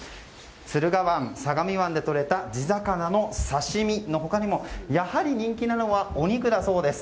駿河湾、相模湾でとれた地魚の刺し身の他にもやはり人気なのはお肉だそうです。